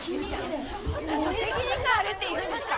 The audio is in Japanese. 何の責任があるっていうんですか！？